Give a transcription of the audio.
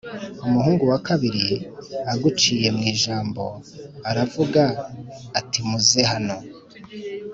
Umuhungu wa kabiri aguciye mu ijambo aravuga atimuzehano